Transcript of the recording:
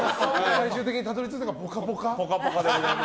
最終的にたどり着いたのが「ぽかぽか」。